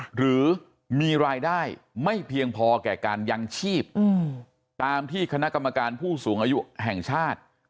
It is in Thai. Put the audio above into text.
หรือมีรายได้ไม่เพียงพอแก่การยังชีพตามที่คณะกรรมการผู้สูงอายุแห่งชาติ